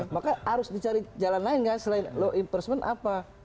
maka harus dicari jalan lain kan selain law enforcement apa